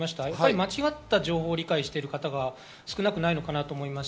間違った情報を理解している方が少なくないのかなと思います。